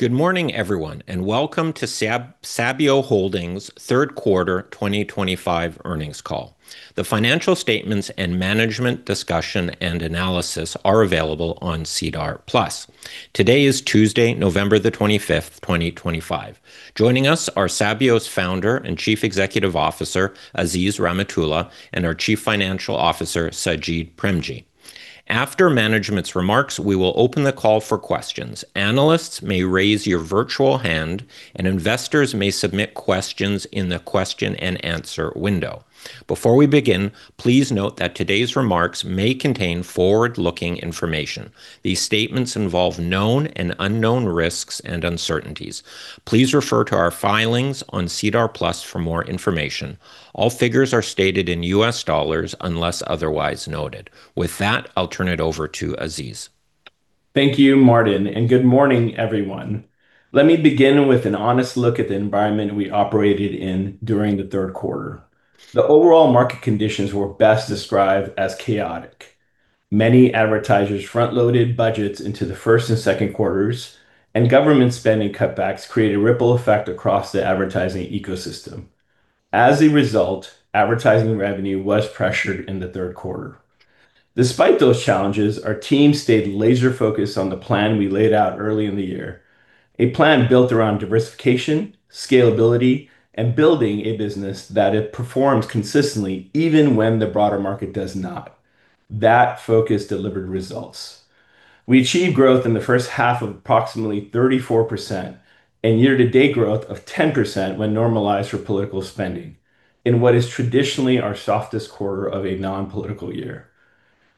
Good morning, everyone, and welcome to Sabio Holdings' third quarter 2025 earnings call. The financial statements and management discussion and analysis are available on SEDAR Plus. Today is Tuesday, November 25, 2025. Joining us are Sabio's Founder and Chief Executive Officer, Aziz Rahimtoola, and our Chief Financial Officer, Sajid Premji. After management's remarks, we will open the call for questions. Analysts may raise your virtual hand, and investors may submit questions in the question and answer window. Before we begin, please note that today's remarks may contain forward-looking information. These statements involve known and unknown risks and uncertainties. Please refer to our filings on SEDAR Plus for more information. All figures are stated in U.S. dollars unless otherwise noted. With that, I'll turn it over to Aziz. Thank you, Martin, and good morning, everyone. Let me begin with an honest look at the environment we operated in during the third quarter. The overall market conditions were best described as chaotic. Many advertisers front-loaded budgets into the first and second quarters, and government spending cutbacks created a ripple effect across the advertising ecosystem. As a result, advertising revenue was pressured in the third quarter. Despite those challenges, our team stayed laser-focused on the plan we laid out early in the year, a plan built around diversification, scalability, and building a business that performs consistently even when the broader market does not. That focus delivered results. We achieved growth in the first half of approximately 34% and year-to-date growth of 10% when normalized for political spending in what is traditionally our softest quarter of a non-political year.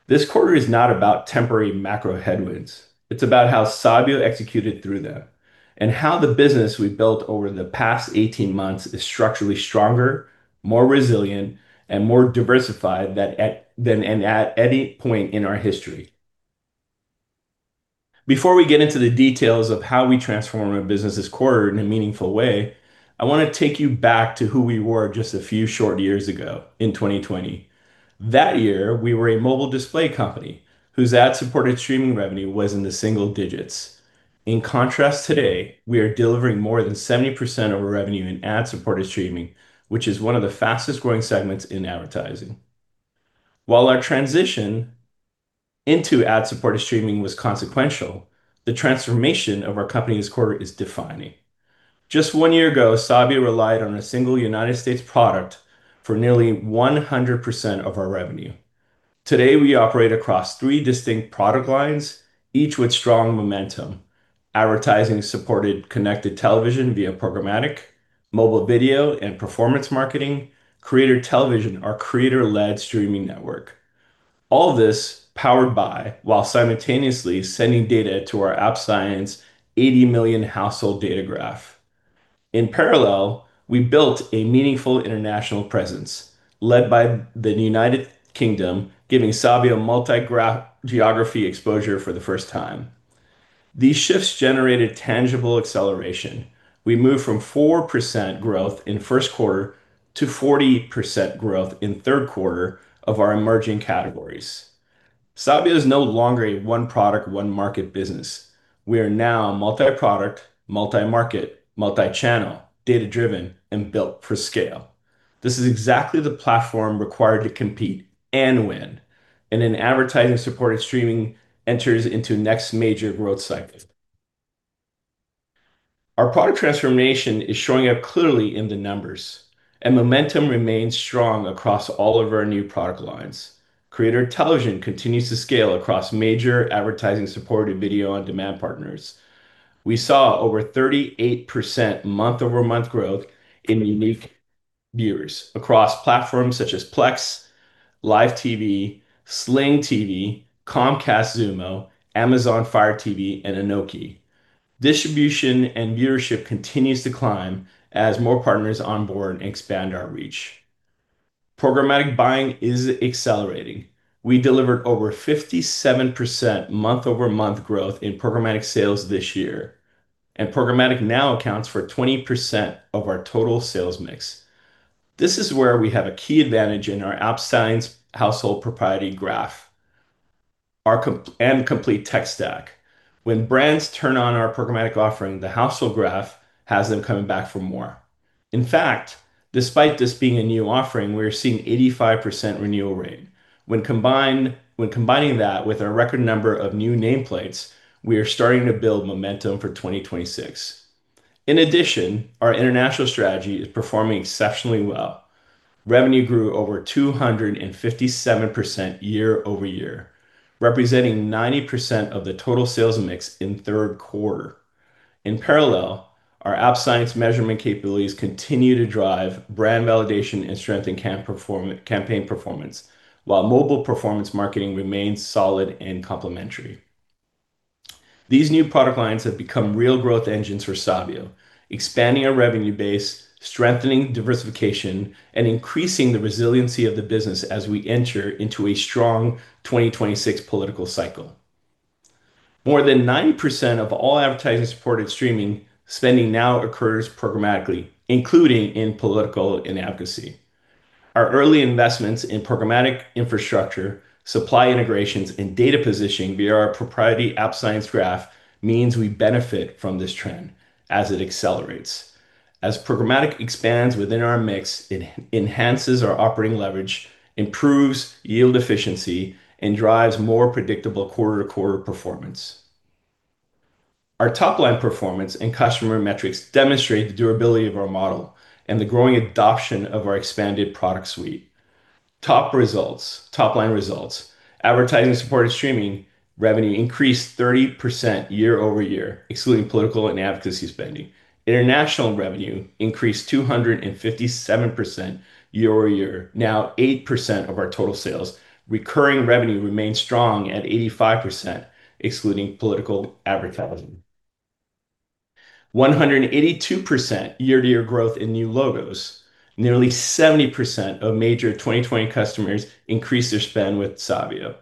This quarter is not about temporary macro headwinds. It's about how Sabio executed through them and how the business we built over the past 18 months is structurally stronger, more resilient, and more diversified than at any point in our history. Before we get into the details of how we transform a business's quarter in a meaningful way, I want to take you back to who we were just a few short years ago in 2020. That year, we were a mobile display company whose ad-supported streaming revenue was in the single digits. In contrast, today, we are delivering more than 70% of our revenue in ad-supported streaming, which is one of the fastest-growing segments in advertising. While our transition into ad-supported streaming was consequential, the transformation of our company's quarter is defining. Just one year ago, Sabio relied on a single United States product for nearly 100% of our revenue. Today, we operate across three distinct product lines, each with strong momentum. Advertising-supported connected television via programmatic, mobile video, and performance marketing. Creator Television, our creator-led streaming network. All of this powered by, while simultaneously sending data to our App Science, 80 million household data graph. In parallel, we built a meaningful international presence led by the United Kingdom, giving Sabio multi-geography exposure for the first time. These shifts generated tangible acceleration. We moved from 4% growth in first quarter to 40% growth in third quarter of our emerging categories. Sabio is no longer a one-product, one-market business. We are now multi-product, multi-market, multi-channel, data-driven, and built for scale. This is exactly the platform required to compete and win. In advertising-supported streaming, enters into next major growth cycle. Our product transformation is showing up clearly in the numbers, and momentum remains strong across all of our new product lines. Creator Television continues to scale across major advertising-supported video on demand partners. We saw over 38% month-over-month growth in unique viewers across platforms such as Plex, Live TV, Sling TV, Comcast Xumo, Amazon Fire TV, and Roku. Distribution and viewership continues to climb as more partners onboard and expand our reach. Programmatic buying is accelerating. We delivered over 57% month-over-month growth in programmatic sales this year, and programmatic now accounts for 20% of our total sales mix. This is where we have a key advantage in our App Science household proprietary graph and complete tech stack. When brands turn on our programmatic offering, the household graph has them coming back for more. In fact, despite this being a new offering, we are seeing an 85% renewal rate. When combining that with our record number of new nameplates, we are starting to build momentum for 2026. In addition, our international strategy is performing exceptionally well. Revenue grew over 257% year over year, representing 90% of the total sales mix in third quarter. In parallel, our App Science measurement capabilities continue to drive brand validation and strengthen campaign performance, while mobile performance marketing remains solid and complementary. These new product lines have become real growth engines for Sabio, expanding our revenue base, strengthening diversification, and increasing the resiliency of the business as we enter into a strong 2026 political cycle. More than 90% of all advertising-supported streaming spending now occurs programmatically, including in political and advocacy. Our early investments in programmatic infrastructure, supply integrations, and data positioning via our proprietary App Science graph means we benefit from this trend as it accelerates. As programmatic expands within our mix, it enhances our operating leverage, improves yield efficiency, and drives more predictable quarter-to-quarter performance. Our top-line performance and customer metrics demonstrate the durability of our model and the growing adoption of our expanded product suite. Top-line results. Advertising-supported streaming revenue increased 30% year over year, excluding political and advocacy spending. International revenue increased 257% year over year, now 8% of our total sales. Recurring revenue remains strong at 85%, excluding political advertising. 182% year-to-year growth in new logos. Nearly 70% of major 2020 customers increased their spend with Sabio.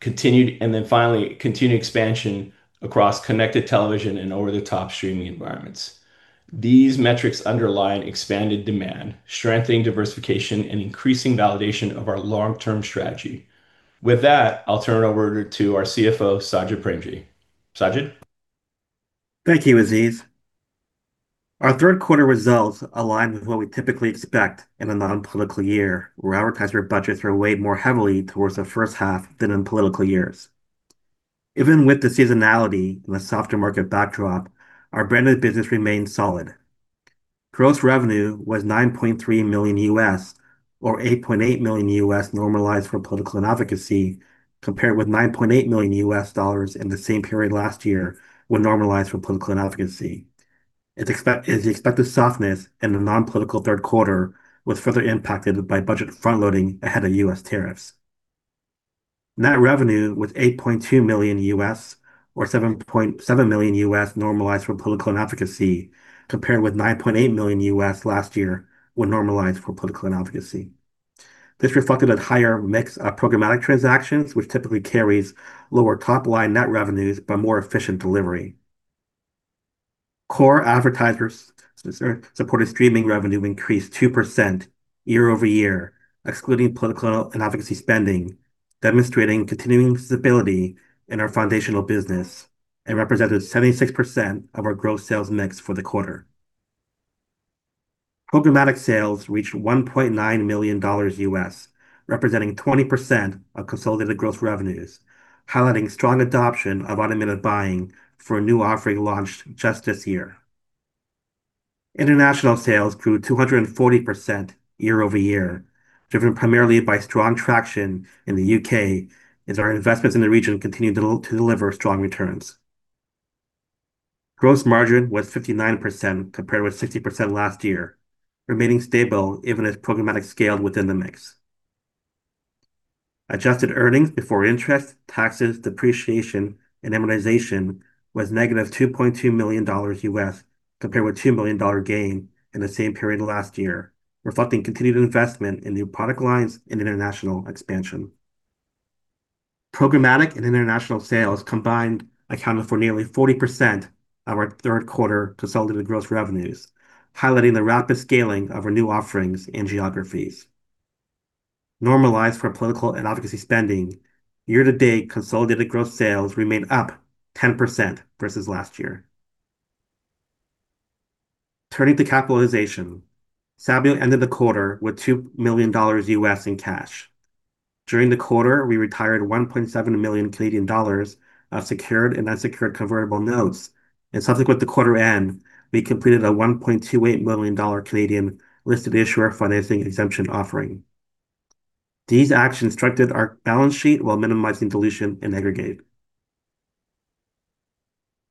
Continued expansion across connected television and over-the-top streaming environments. These metrics underline expanded demand, strengthening diversification, and increasing validation of our long-term strategy. With that, I'll turn it over to our CFO, Sajid Premji. Sajid? Thank you, Aziz. Our third-quarter results aligned with what we typically expect in a non-political year, where advertisers' budgets are weighed more heavily towards the first half than in political years. Even with the seasonality and the softer market backdrop, our branded business remained solid. Gross revenue was $9.3 million, or $8.8 million normalized for political and advocacy, compared with $9.8 million in the same period last year when normalized for political and advocacy. The expected softness in the non-political third quarter was further impacted by budget front-loading ahead of U.S. tariffs. Net revenue was $8.2 million, or $7.7 million normalized for political and advocacy, compared with $9.8 million last year when normalized for political and advocacy. This reflected a higher mix of programmatic transactions, which typically carries lower top-line net revenues by more efficient delivery. Core advertiser-supported streaming revenue increased 2% year over year, excluding political and advocacy spending, demonstrating continuing stability in our foundational business and represented 76% of our gross sales mix for the quarter. Programmatic sales reached $1.9 million, representing 20% of consolidated gross revenues, highlighting strong adoption of automated buying for a new offering launched just this year. International sales grew 240% year over year, driven primarily by strong traction in the U.K., as our investments in the region continue to deliver strong returns. Gross margin was 59% compared with 60% last year, remaining stable even as programmatic scaled within the mix. Adjusted EBITDA was negative $2.2 million, compared with $2 million gain in the same period last year, reflecting continued investment in new product lines and international expansion. Programmatic and international sales combined accounted for nearly 40% of our third-quarter consolidated gross revenues, highlighting the rapid scaling of our new offerings and geographies. Normalized for political and advocacy spending, year-to-date consolidated gross sales remained up 10% versus last year. Turning to capitalization, Sabio ended the quarter with $2 million in cash. During the quarter, we retired 1.7 million Canadian dollars of secured and unsecured convertible notes, and subsequent to quarter end, we completed a 1.28 million Canadian dollars listed issuer financing exemption offering. These actions strengthened our balance sheet while minimizing dilution in aggregate.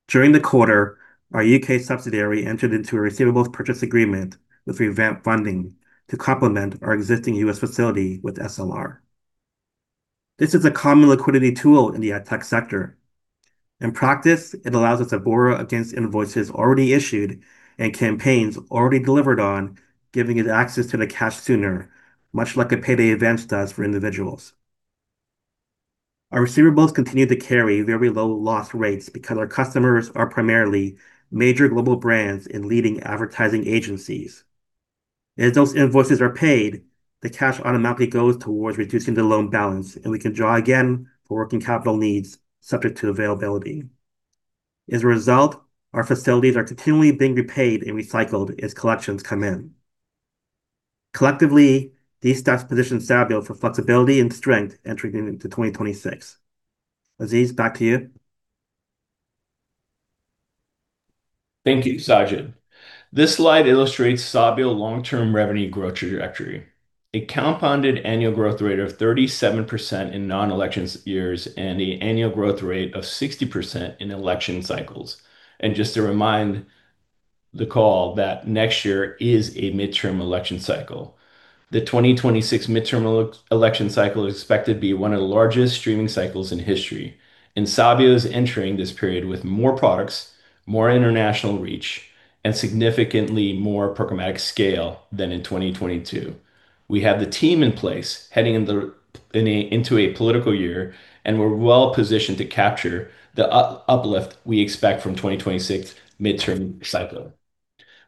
During the quarter, our U.K. subsidiary entered into a receivables purchase agreement with Revamp Funding to complement our existing U.S. facility with SLR. This is a common liquidity tool in the ad tech sector. In practice, it allows us to borrow against invoices already issued and campaigns already delivered on, giving us access to the cash sooner, much like a payday advance does for individuals. Our receivables continue to carry very low loss rates because our customers are primarily major global brands and leading advertising agencies. As those invoices are paid, the cash automatically goes towards reducing the loan balance, and we can draw again for working capital needs subject to availability. As a result, our facilities are continually being repaid and recycled as collections come in. Collectively, these stats position Sabio for flexibility and strength entering into 2026. Aziz, back to you. Thank you, Sajid. This slide illustrates Sabio's long-term revenue growth trajectory, a compounded annual growth rate of 37% in non-election years and an annual growth rate of 60% in election cycles. Just to remind the call that next year is a midterm election cycle. The 2026 midterm election cycle is expected to be one of the largest streaming cycles in history. Sabio is entering this period with more products, more international reach, and significantly more programmatic scale than in 2022. We have the team in place heading into a political year, and we're well positioned to capture the uplift we expect from the 2026 midterm cycle.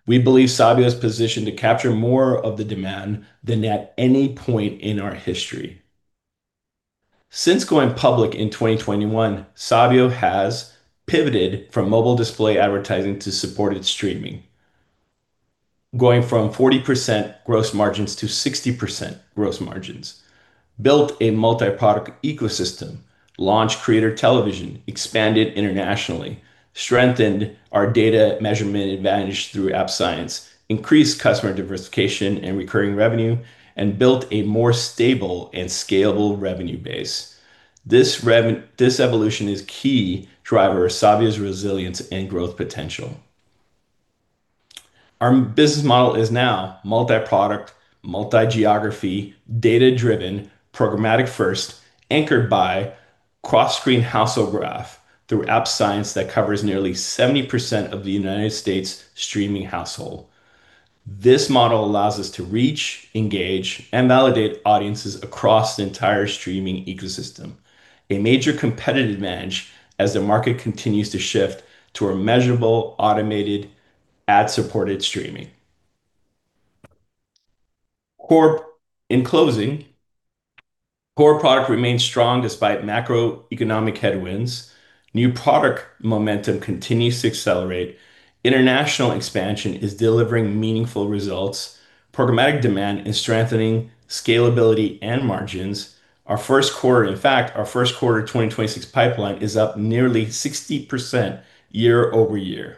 We believe Sabio is positioned to capture more of the demand than at any point in our history. Since going public in 2021, Sabio has pivoted from mobile display advertising to ad-supported streaming, going from 40% gross margins to 60% gross margins, built a multi-product ecosystem, launched Creator Television, expanded internationally, strengthened our data measurement advantage through App Science, increased customer diversification and recurring revenue, and built a more stable and scalable revenue base. This evolution is a key driver of Sabio's resilience and growth potential. Our business model is now multi-product, multi-geography, data-driven, programmatic-first, anchored by cross-screen household graph through App Science that covers nearly 70% of the United States' streaming household. This model allows us to reach, engage, and validate audiences across the entire streaming ecosystem, a major competitive advantage as the market continues to shift to a measurable, automated, ad-supported streaming. In closing, core product remains strong despite macroeconomic headwinds. New product momentum continues to accelerate. International expansion is delivering meaningful results. Programmatic demand is strengthening scalability and margins. In fact, our first quarter 2026 pipeline is up nearly 60% year over year.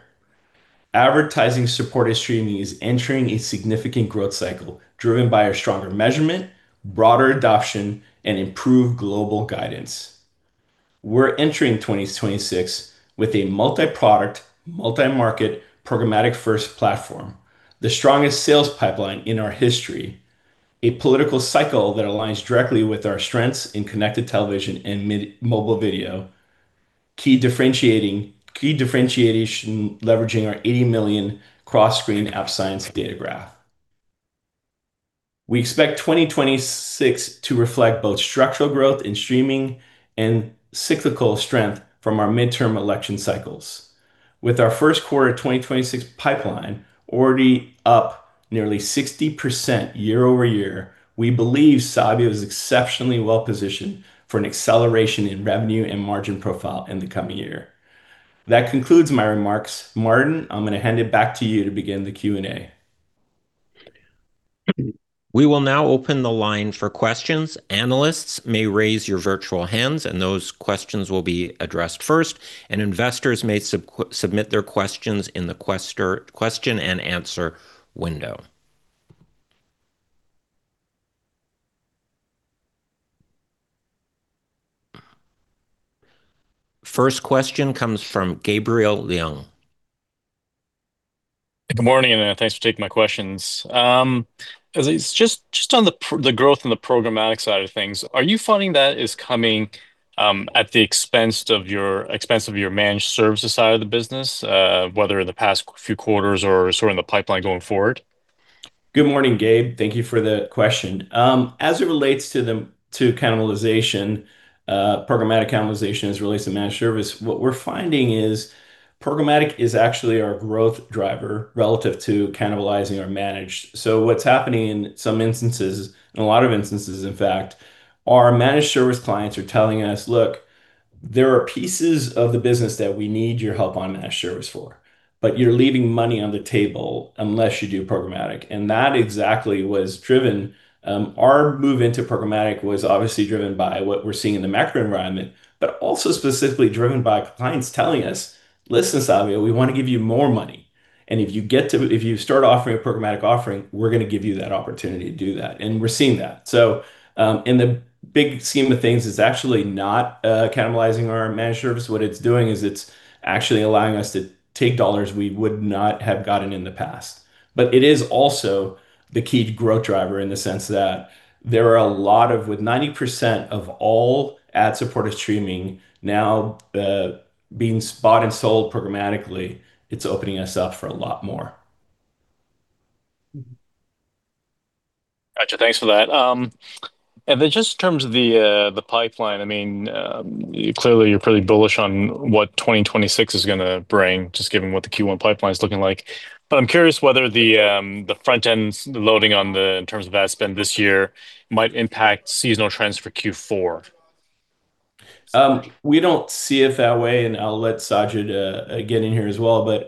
Advertising-supported streaming is entering a significant growth cycle driven by our stronger measurement, broader adoption, and improved global guidance. We're entering 2026 with a multi-product, multi-market, programmatic-first platform, the strongest sales pipeline in our history, a political cycle that aligns directly with our strengths in connected television and mobile video, key differentiating leveraging our 80 million cross-screen App Science data graph. We expect 2026 to reflect both structural growth in streaming and cyclical strength from our midterm election cycles. With our first quarter 2026 pipeline already up nearly 60% year over year, we believe Sabio is exceptionally well positioned for an acceleration in revenue and margin profile in the coming year. That concludes my remarks. Martin, I'm going to hand it back to you to begin the Q&A. We will now open the line for questions. Analysts may raise your virtual hands, and those questions will be addressed first. Investors may submit their questions in the question and answer window. First question comes from Gabriel Leung. Good morning, and thanks for taking my questions. As just on the growth and the programmatic side of things, are you finding that is coming at the expense of your managed services side of the business, whether in the past few quarters or sort of in the pipeline going forward? Good morning, Gabe. Thank you for the question. As it relates to cannibalization, programmatic cannibalization as it relates to managed service, what we're finding is programmatic is actually our growth driver relative to cannibalizing our managed. What's happening in some instances, in a lot of instances, in fact, our managed service clients are telling us, "Look, there are pieces of the business that we need your help on managed service for, but you're leaving money on the table unless you do programmatic." That exactly was driven. Our move into programmatic was obviously driven by what we're seeing in the macro environment, but also specifically driven by clients telling us, "Listen, Sabio, we want to give you more money. If you start offering a programmatic offering, we're going to give you that opportunity to do that." We're seeing that. In the big scheme of things, it's actually not cannibalizing our managed service. What it's doing is it's actually allowing us to take dollars we would not have gotten in the past. It is also the key growth driver in the sense that there are a lot of, with 90% of all ad-supported streaming now being bought and sold programmatically, it's opening us up for a lot more. Gotcha. Thanks for that. In terms of the pipeline, I mean, clearly you're pretty bullish on what 2026 is going to bring, just given what the Q1 pipeline is looking like. I'm curious whether the front-end loading on the, in terms of ad spend this year, might impact seasonal trends for Q4. We do not see it that way, and I will let Sajid get in here as well.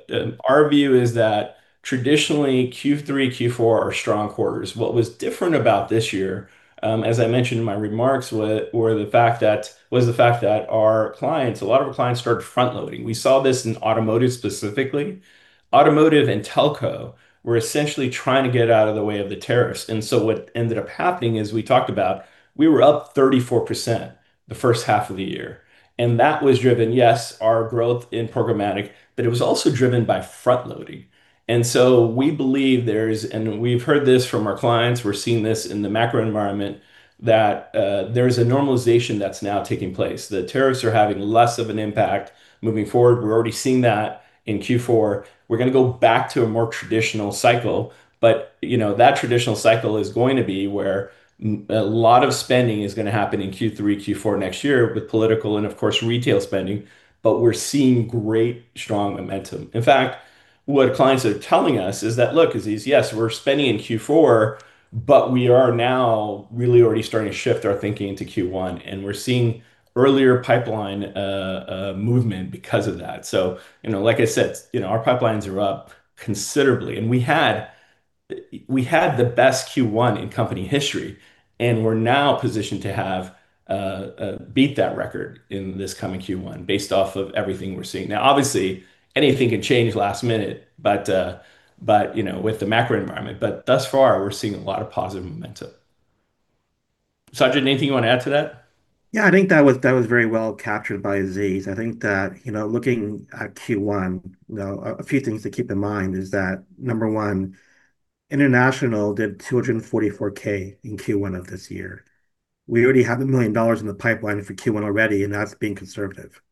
Our view is that traditionally, Q3 and Q4 are strong quarters. What was different about this year, as I mentioned in my remarks, was the fact that our clients, a lot of our clients, started front-loading. We saw this in automotive specifically. Automotive and telco were essentially trying to get out of the way of the tariffs. What ended up happening is we talked about we were up 34% the first half of the year. That was driven, yes, our growth in programmatic, but it was also driven by front-loading. We believe there is, and we have heard this from our clients, we are seeing this in the macro environment, that there is a normalization that is now taking place. The tariffs are having less of an impact moving forward. We're already seeing that in Q4. We're going to go back to a more traditional cycle. That traditional cycle is going to be where a lot of spending is going to happen in Q3, Q4 next year with political and, of course, retail spending. We're seeing great, strong momentum. In fact, what clients are telling us is that, "Look, Aziz, yes, we're spending in Q4, but we are now really already starting to shift our thinking into Q1." We're seeing earlier pipeline movement because of that. Like I said, our pipelines are up considerably. We had the best Q1 in company history, and we're now positioned to beat that record in this coming Q1 based off of everything we're seeing. Obviously, anything can change last minute with the macro environment. Thus far, we're seeing a lot of positive momentum. Sajid, anything you want to add to that? Yeah, I think that was very well captured by Aziz. I think that looking at Q1, a few things to keep in mind is that, number one, international did $244,000 in Q1 of this year. We already have $1 million in the pipeline for Q1 already, and that's being conservative.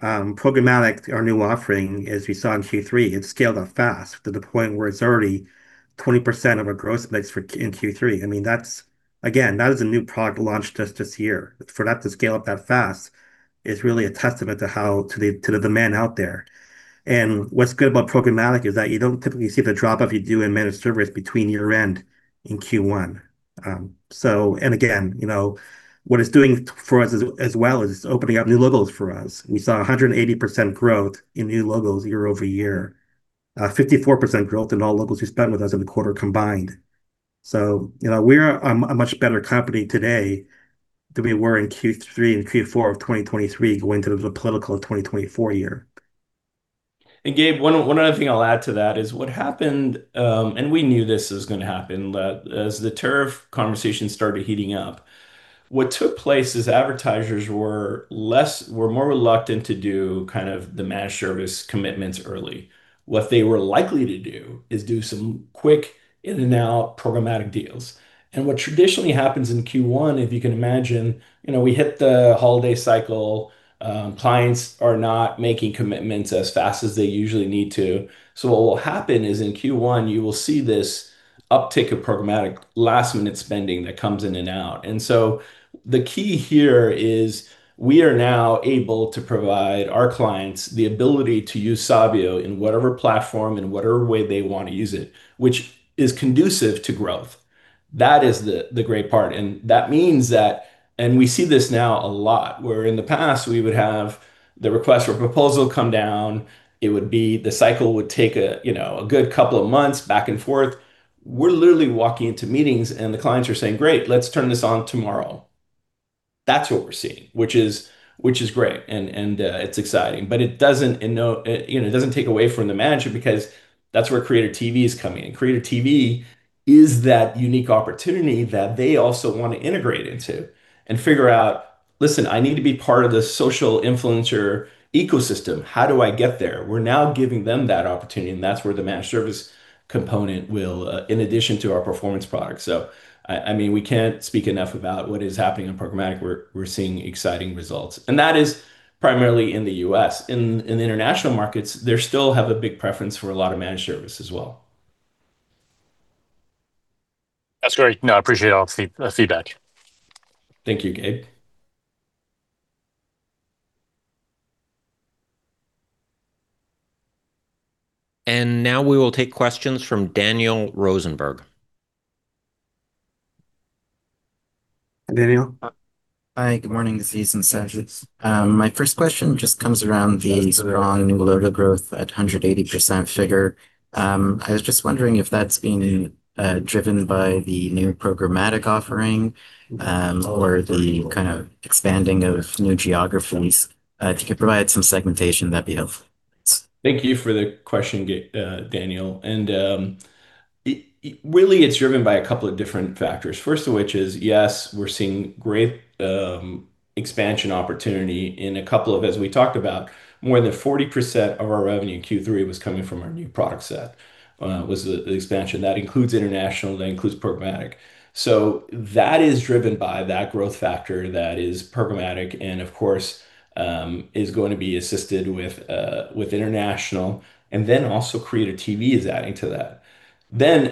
Programmatic, our new offering, as we saw in Q3, it scaled up fast to the point where it's already 20% of our gross mix in Q3. I mean, again, that is a new product launched just this year. For that to scale up that fast is really a testament to the demand out there. What's good about programmatic is that you don't typically see the drop-off you do in managed service between year-end in Q1. What it's doing for us as well is it's opening up new logos for us. We saw 180% growth in new logos year over year, 54% growth in all logos who spent with us in the quarter combined. We are a much better company today than we were in Q3 and Q4 of 2023 going to the political of 2024 year. Gabe, one other thing I'll add to that is what happened, and we knew this was going to happen, that as the tariff conversation started heating up, what took place is advertisers were more reluctant to do kind of the managed service commitments early. What they were likely to do is do some quick in-and-out programmatic deals. What traditionally happens in Q1, if you can imagine, we hit the holiday cycle. Clients are not making commitments as fast as they usually need to. What will happen is in Q1, you will see this uptick of programmatic last-minute spending that comes in and out. The key here is we are now able to provide our clients the ability to use Sabio in whatever platform, in whatever way they want to use it, which is conducive to growth. That is the great part. That means that, and we see this now a lot, where in the past, we would have the request for proposal come down. It would be the cycle would take a good couple of months back and forth. We're literally walking into meetings, and the clients are saying, "Great, let's turn this on tomorrow." That's what we're seeing, which is great and it's exciting. It doesn't take away from the manager because that's where Creator TV is coming in. Creator TV is that unique opportunity that they also want to integrate into and figure out, "Listen, I need to be part of the social influencer ecosystem. How do I get there?" We're now giving them that opportunity, and that's where the managed service component will, in addition to our performance product. I mean, we can't speak enough about what is happening in programmatic. We're seeing exciting results. That is primarily in the U.S. In the international markets, they still have a big preference for a lot of managed service as well. That's great. No, I appreciate all the feedback. Thank you, Gabe. We will take questions from Daniel Rosenberg. Daniel. Hi, good morning, Aziz and Sajid. My first question just comes around the strong logo growth at 180%. I was just wondering if that's being driven by the new programmatic offering or the kind of expanding of new geographies. If you could provide some segmentation, that'd be helpful. Thank you for the question, Daniel. Really, it's driven by a couple of different factors. First of which is, yes, we're seeing great expansion opportunity in a couple of, as we talked about, more than 40% of our revenue in Q3 was coming from our new product set, was the expansion. That includes international, that includes programmatic. That is driven by that growth factor that is programmatic and, of course, is going to be assisted with international. Also, Creator TV is adding to that.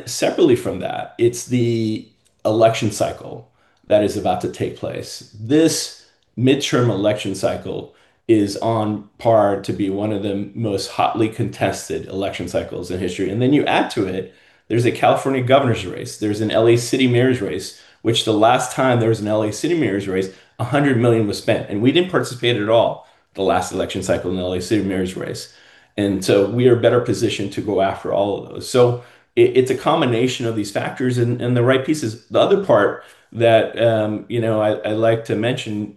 Separately from that, it's the election cycle that is about to take place. This midterm election cycle is on par to be one of the most hotly contested election cycles in history. You add to it, there's a California governor's race. There's an LA City Mayor's race, which the last time there was an LA City Mayor's race, $100 million was spent. We didn't participate at all the last election cycle in the LA City Mayor's race. We are better positioned to go after all of those. It is a combination of these factors and the right pieces. The other part that I'd like to mention,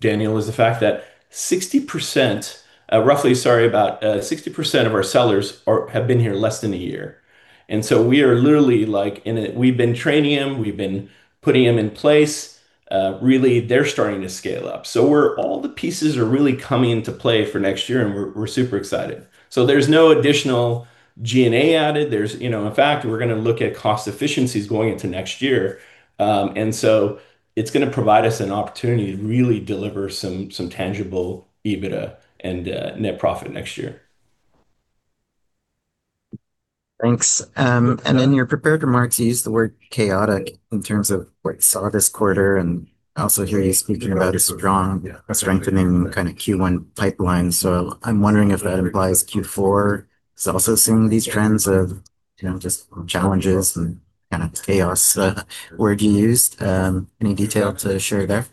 Daniel, is the fact that about 60% of our sellers have been here less than a year. We are literally like, we've been training them, we've been putting them in place. Really, they're starting to scale up. All the pieces are really coming into play for next year, and we're super excited. There is no additional G&A added. In fact, we're going to look at cost efficiencies going into next year. It is going to provide us an opportunity to really deliver some tangible EBITDA and net profit next year. Thanks. In your prepared remarks, you used the word chaotic in terms of what you saw this quarter. I also hear you speaking about a strong strengthening kind of Q1 pipeline. I am wondering if that implies Q4 is also seeing these trends of just challenges and kind of chaos, the word you used. Any detail to share there?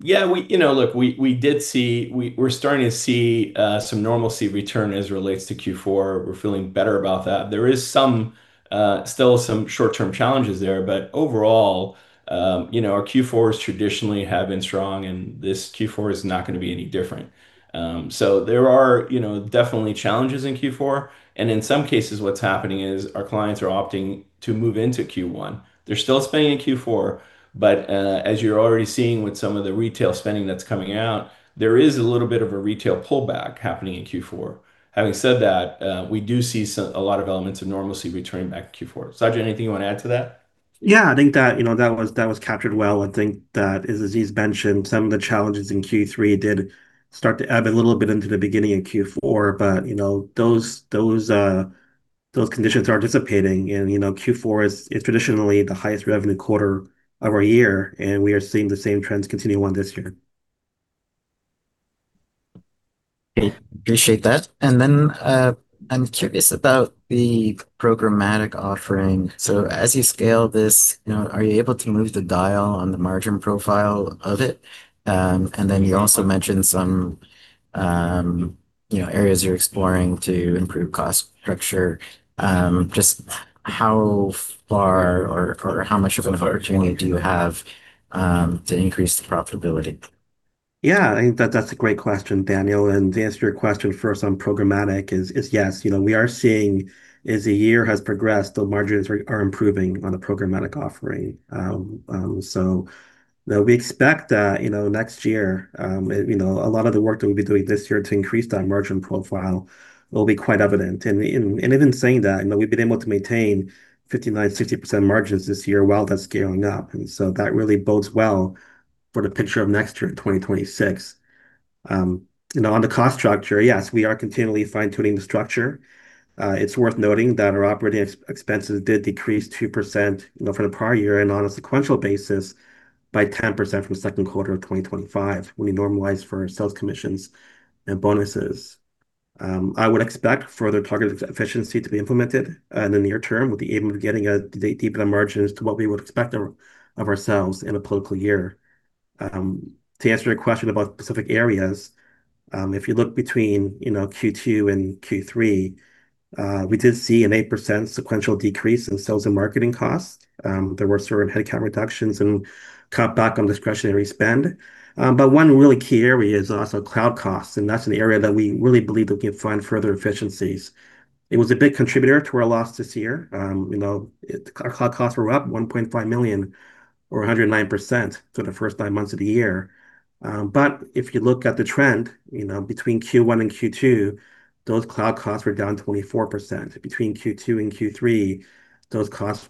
Yeah, look, we did see, we're starting to see some normalcy return as it relates to Q4. We're feeling better about that. There are still some short-term challenges there. Overall, our Q4s traditionally have been strong, and this Q4 is not going to be any different. There are definitely challenges in Q4. In some cases, what's happening is our clients are opting to move into Q1. They're still spending in Q4. As you're already seeing with some of the retail spending that's coming out, there is a little bit of a retail pullback happening in Q4. Having said that, we do see a lot of elements of normalcy returning back to Q4. Sajid, anything you want to add to that? Yeah, I think that was captured well. I think that, as Aziz mentioned, some of the challenges in Q3 did start to ebb a little bit into the beginning of Q4. Those conditions are dissipating. Q4 is traditionally the highest revenue quarter of our year, and we are seeing the same trends continue on this year. Appreciate that. I'm curious about the programmatic offering. As you scale this, are you able to move the dial on the margin profile of it? You also mentioned some areas you're exploring to improve cost structure. Just how far or how much of an opportunity do you have to increase the profitability? Yeah, I think that's a great question, Daniel. To answer your question first on programmatic, yes. We are seeing, as the year has progressed, the margins are improving on the programmatic offering. We expect that next year, a lot of the work that we'll be doing this year to increase that margin profile will be quite evident. Even saying that, we've been able to maintain 59%-60% margins this year while that's scaling up. That really bodes well for the picture of next year, 2026. On the cost structure, yes, we are continually fine-tuning the structure. It's worth noting that our operating expenses did decrease 2% from the prior year and on a sequential basis by 10% from the second quarter of 2025 when we normalize for sales commissions and bonuses. I would expect further target efficiency to be implemented in the near term with the aim of getting a deeper margin as to what we would expect of ourselves in a political year. To answer your question about specific areas, if you look between Q2 and Q3, we did see an 8% sequential decrease in sales and marketing costs. There were certain headcount reductions and cut back on discretionary spend. One really key area is also cloud costs. That is an area that we really believe that we can find further efficiencies. It was a big contributor to our loss this year. Our cloud costs were up $1.5 million or 109% for the first nine months of the year. If you look at the trend between Q1 and Q2, those cloud costs were down 24%. Between Q2 and Q3, those costs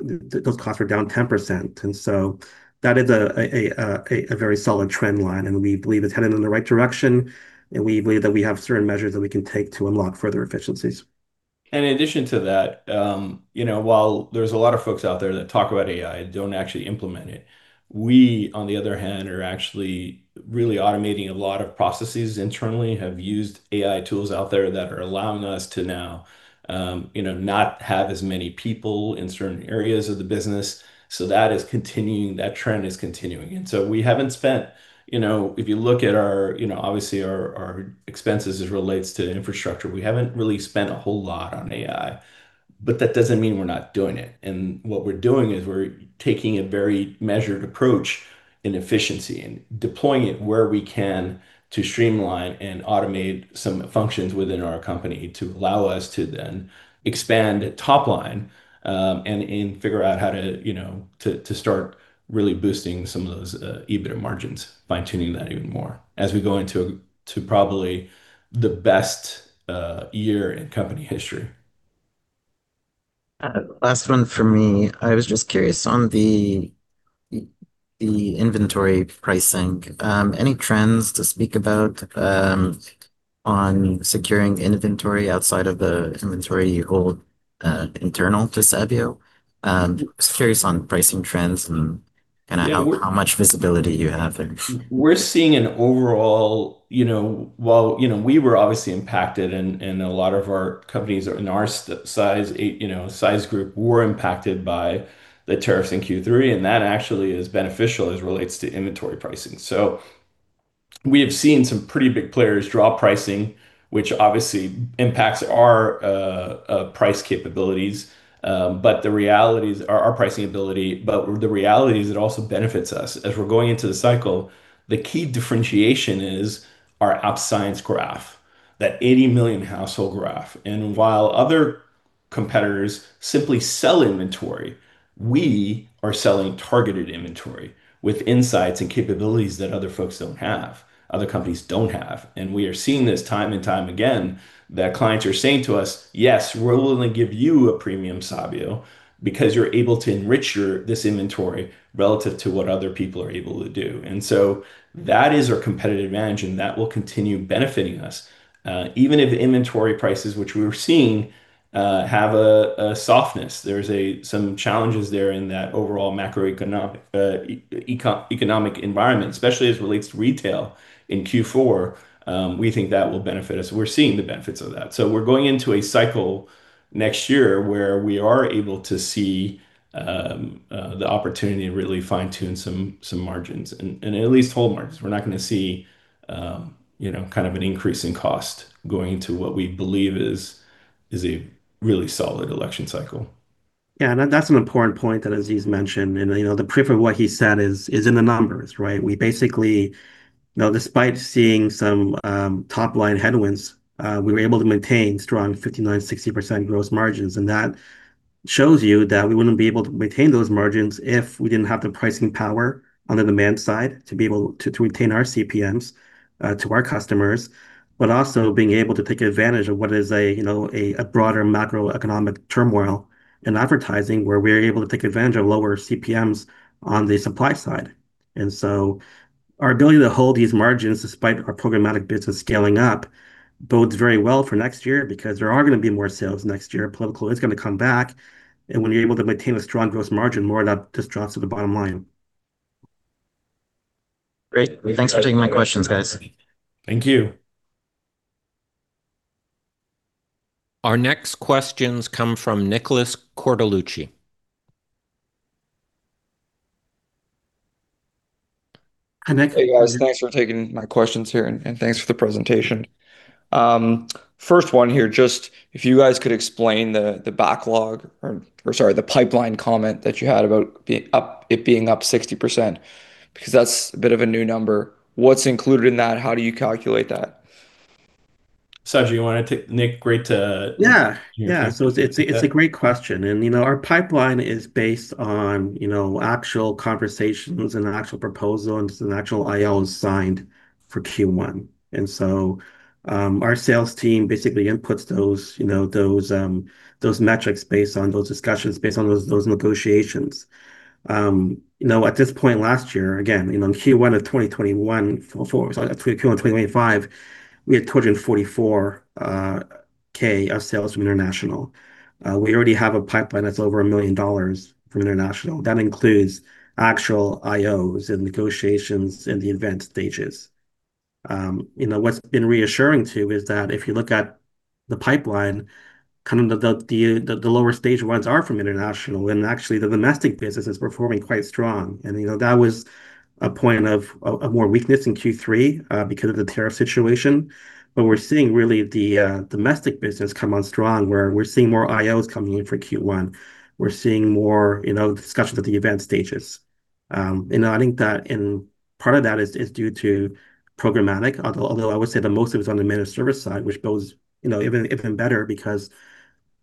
were down 10%. That is a very solid trend line. We believe it's headed in the right direction. We believe that we have certain measures that we can take to unlock further efficiencies. In addition to that, while there's a lot of folks out there that talk about AI and don't actually implement it, we, on the other hand, are actually really automating a lot of processes internally, have used AI tools out there that are allowing us to now not have as many people in certain areas of the business. That trend is continuing. We haven't spent, if you look at our, obviously, our expenses as it relates to infrastructure, we haven't really spent a whole lot on AI. That doesn't mean we're not doing it. We are taking a very measured approach in efficiency and deploying it where we can to streamline and automate some functions within our company to allow us to then expand top line and figure out how to start really boosting some of those EBITDA margins, fine-tuning that even more as we go into probably the best year in company history. Last one for me. I was just curious on the inventory pricing. Any trends to speak about on securing inventory outside of the inventory you hold internal to Sabio? Just curious on pricing trends and kind of how much visibility you have. We're seeing an overall, while we were obviously impacted and a lot of our companies in our size group were impacted by the tariffs in Q3, and that actually is beneficial as it relates to inventory pricing. We have seen some pretty big players drop pricing, which obviously impacts our price capabilities. The reality is our pricing ability, but the reality is it also benefits us as we're going into the cycle. The key differentiation is our App Science graph, that 80 million household graph. While other competitors simply sell inventory, we are selling targeted inventory with insights and capabilities that other folks don't have, other companies don't have. We are seeing this time and time again that clients are saying to us, "Yes, we're willing to give you a premium, Sabio, because you're able to enrich this inventory relative to what other people are able to do." That is our competitive advantage, and that will continue benefiting us, even if inventory prices, which we were seeing, have a softness. There are some challenges there in that overall macroeconomic environment, especially as it relates to retail in Q4. We think that will benefit us. We're seeing the benefits of that. We are going into a cycle next year where we are able to see the opportunity to really fine-tune some margins and at least hold margins. We're not going to see kind of an increase in cost going into what we believe is a really solid election cycle. Yeah, that's an important point that Aziz mentioned. The proof of what he said is in the numbers, right? We basically, despite seeing some top-line headwinds, were able to maintain strong 59%-60% gross margins. That shows you that we would not be able to maintain those margins if we did not have the pricing power on the demand side to be able to retain our CPMs to our customers, but also being able to take advantage of what is a broader macroeconomic turmoil in advertising where we are able to take advantage of lower CPMs on the supply side. Our ability to hold these margins despite our programmatic business scaling up bodes very well for next year because there are going to be more sales next year. Political is going to come back. When you're able to maintain a strong gross margin, more of that just drops to the bottom line. Great. Thanks for taking my questions, guys. Thank you. Our next questions come from Nicholas Cordalucci. Hey, guys. Thanks for taking my questions here. Thanks for the presentation. First one here, just if you guys could explain the backlog or, sorry, the pipeline comment that you had about it being up 60% because that's a bit of a new number. What's included in that? How do you calculate that? Saj, you want to take Nick, great to. Yeah. Yeah. It's a great question. Our pipeline is based on actual conversations and actual proposals and actual I/Os signed for Q1. Our sales team basically inputs those metrics based on those discussions, based on those negotiations. At this point last year, again, in Q1 of 2021, Q1 of 2025, we had $244,000 of sales from international. We already have a pipeline that's over $1 million from international. That includes actual I/Os and negotiations in the event stages. What's been reassuring too is that if you look at the pipeline, kind of the lower stage ones are from international. Actually, the domestic business is performing quite strong. That was a point of more weakness in Q3 because of the tariff situation. We're seeing really the domestic business come on strong where we're seeing more I/Os coming in for Q1. We're seeing more discussions at the event stages. I think that part of that is due to programmatic, although I would say that most of it's on the managed service side, which bodes even better because,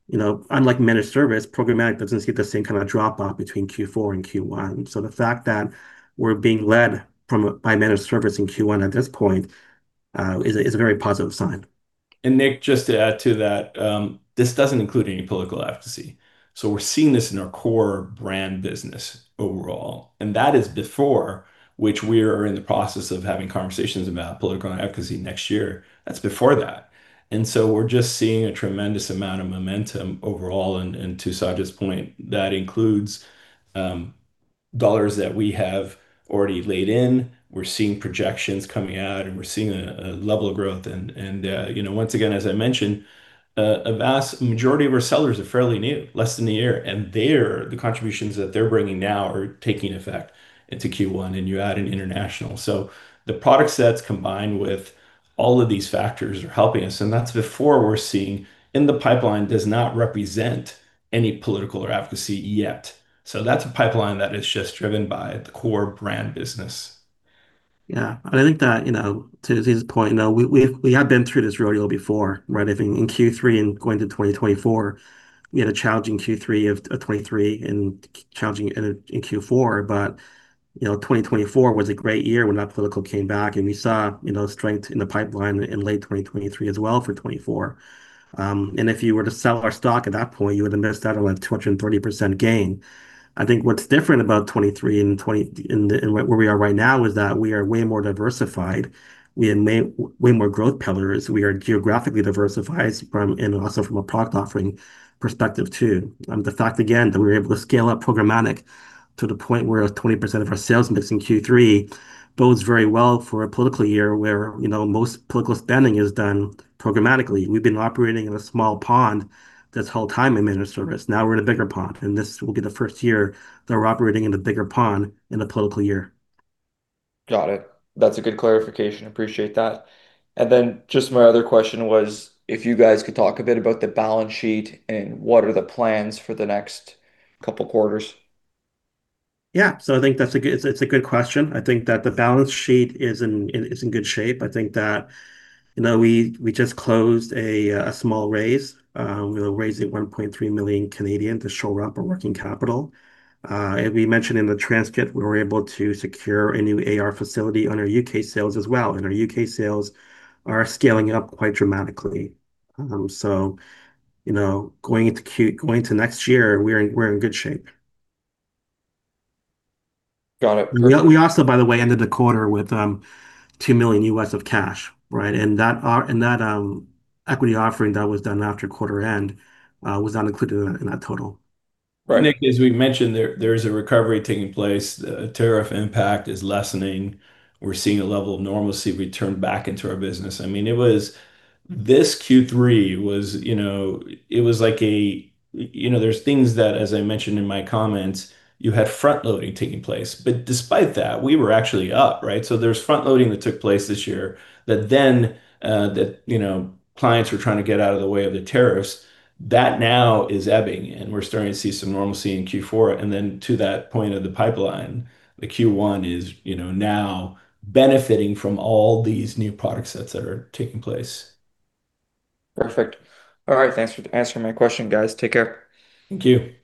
unlike managed service, programmatic doesn't see the same kind of drop-off between Q4 and Q1. The fact that we're being led by managed service in Q1 at this point is a very positive sign. Nick, just to add to that, this does not include any political efficacy. We are seeing this in our core brand business overall. That is before, which we are in the process of having conversations about political efficacy next year. That is before that. We are just seeing a tremendous amount of momentum overall, and to Saj's point, that includes dollars that we have already laid in. We are seeing projections coming out, and we are seeing a level of growth. Once again, as I mentioned, a vast majority of our sellers are fairly new, less than a year. The contributions that they are bringing now are taking effect into Q1, and you add in international. The product sets combined with all of these factors are helping us. That is before what we are seeing in the pipeline does not represent any political or efficacy yet. That's a pipeline that is just driven by the core brand business. Yeah. I think that to Aziz's point, we have been through this rodeo before, right? I think in Q3 and going to 2024, we had a challenging Q3 of 2023 and challenging in Q4. 2024 was a great year when that political came back. We saw strength in the pipeline in late 2023 as well for 2024. If you were to sell our stock at that point, you would have missed out on a 230% gain. I think what is different about 2023 and where we are right now is that we are way more diversified. We have way more growth pillars. We are geographically diversified and also from a product offering perspective too. The fact, again, that we were able to scale up programmatic to the point where 20% of our sales mix in Q3 bodes very well for a political year where most political spending is done programmatically. We've been operating in a small pond that's held time in managed service. Now we're in a bigger pond. This will be the first year that we're operating in a bigger pond in a political year. Got it. That's a good clarification. Appreciate that. Just my other question was if you guys could talk a bit about the balance sheet and what are the plans for the next couple of quarters. Yeah. I think that's a good question. I think that the balance sheet is in good shape. I think that we just closed a small raise. We're raising 1.3 million to shore up our working capital. We mentioned in the transcript, we were able to secure a new AR facility on our U.K. sales as well. Our U.K. sales are scaling up quite dramatically. Going into next year, we're in good shape. Got it. We also, by the way, ended the quarter with $2 million of cash, right? That equity offering that was done after quarter end was not included in that total. Right. Nick, as we mentioned, there is a recovery taking place. Tariff impact is lessening. We're seeing a level of normalcy return back into our business. I mean, this Q3, it was like a there's things that, as I mentioned in my comments, you had front-loading taking place. Despite that, we were actually up, right? There is front-loading that took place this year that then clients were trying to get out of the way of the tariffs. That now is ebbing. We're starting to see some normalcy in Q4. To that point of the pipeline, the Q1 is now benefiting from all these new product sets that are taking place. Perfect. All right. Thanks for answering my question, guys. Take care. Thank you.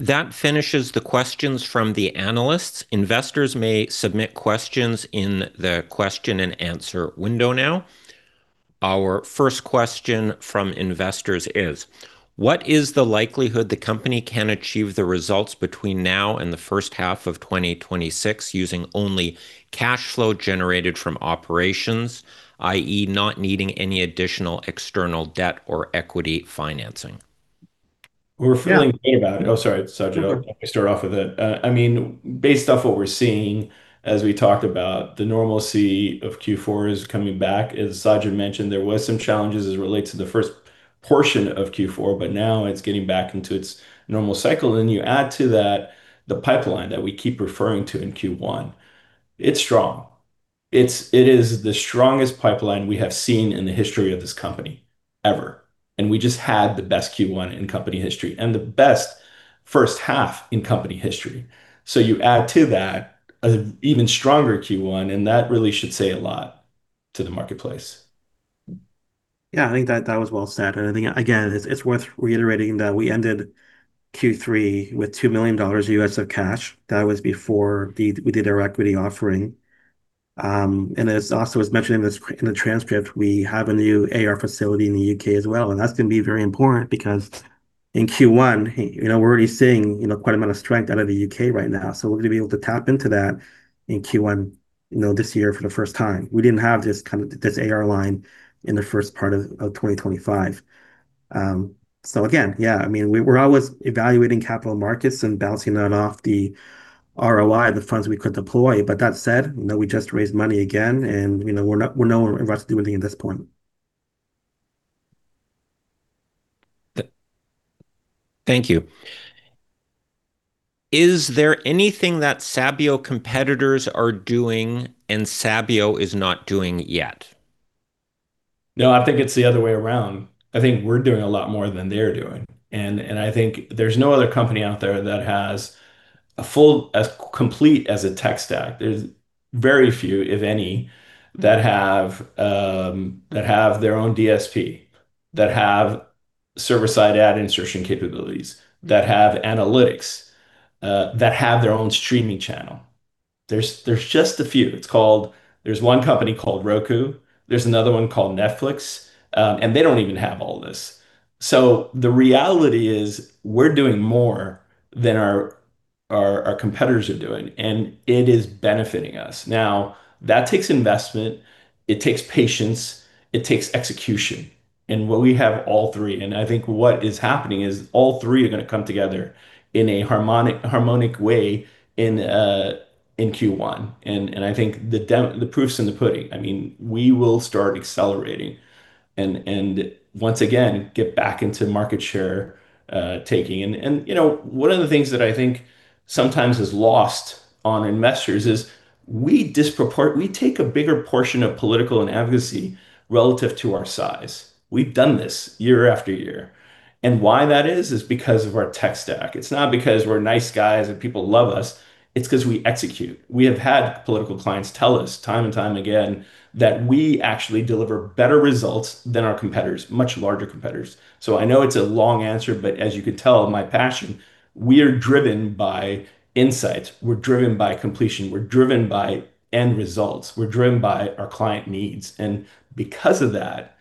That finishes the questions from the analysts. Investors may submit questions in the question and answer window now. Our first question from investors is, what is the likelihood the company can achieve the results between now and the first half of 2026 using only cash flow generated from operations, i.e., not needing any additional external debt or equity financing? We're feeling good about it. Oh, sorry, Saj, let me start off with it. I mean, based off what we're seeing, as we talked about, the normalcy of Q4 is coming back. As Sajid had mentioned, there were some challenges as it relates to the first portion of Q4, but now it's getting back into its normal cycle. You add to that the pipeline that we keep referring to in Q1. It's strong. It is the strongest pipeline we have seen in the history of this company ever. We just had the best Q1 in company history and the best first half in company history. You add to that an even stronger Q1, and that really should say a lot to the marketplace. Yeah, I think that was well said. I think, again, it's worth reiterating that we ended Q3 with $2 million of U.S. cash. That was before we did our equity offering. As Austin was mentioning in the transcript, we have a new AR facility in the U.K. as well. That's going to be very important because in Q1, we're already seeing quite a bit of strength out of the U.K. right now. We're going to be able to tap into that in Q1 this year for the first time. We didn't have this kind of AR line in the first part of 2025. I mean, we're always evaluating capital markets and balancing that off the ROI, the funds we could deploy. That said, we just raised money again, and we're not about to do anything at this point. Thank you. Is there anything that Sabio competitors are doing and Sabio is not doing yet? No, I think it's the other way around. I think we're doing a lot more than they're doing. I think there's no other company out there that has as full and as complete a tech stack. There's very few, if any, that have their own DSP, that have server-side ad insertion capabilities, that have analytics, that have their own streaming channel. There's just a few. There's one company called Roku. There's another one called Netflix. They don't even have all this. The reality is we're doing more than our competitors are doing. It is benefiting us. That takes investment. It takes patience. It takes execution. We have all three. I think what is happening is all three are going to come together in a harmonic way in Q1. I think the proof's in the pudding. I mean, we will start accelerating and once again get back into market share taking. One of the things that I think sometimes is lost on investors is we take a bigger portion of political and advocacy relative to our size. We have done this year after year. Why that is, is because of our tech stack. It is not because we are nice guys and people love us. It is because we execute. We have had political clients tell us time and time again that we actually deliver better results than our competitors, much larger competitors. I know it is a long answer, but as you can tell my passion, we are driven by insights. We are driven by completion. We are driven by end results. We are driven by our client needs. Because of that,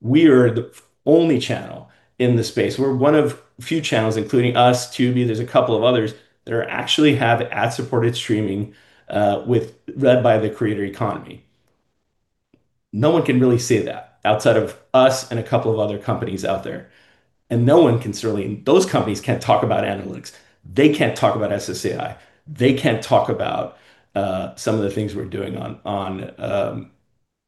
we are the only channel in the space. We are one of a few channels, including us, Tubi. There's a couple of others that actually have ad-supported streaming led by the creator economy. No one can really say that outside of us and a couple of other companies out there. No one can certainly those companies can't talk about analytics. They can't talk about SSAI. They can't talk about some of the things we're doing on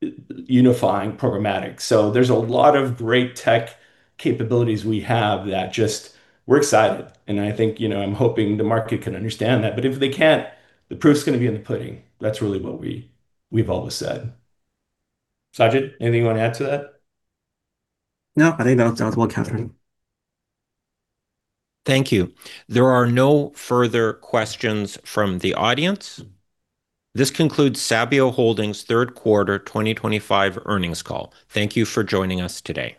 unifying programmatic. There's a lot of great tech capabilities we have that just we're excited. I think I'm hoping the market can understand that. If they can't, the proof's going to be in the pudding. That's really what we've always said. Saj, anything you want to add to that? No, I think that was well, Katherine. Thank you. There are no further questions from the audience. This concludes Sabio Holdings' third quarter 2025 earnings call. Thank you for joining us today.